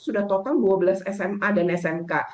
sudah total dua belas sma dan smk